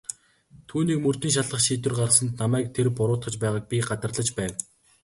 Түүнийг мөрдөн шалгах шийдвэр гаргасанд намайг тэр буруутгаж байгааг би гадарлаж байв.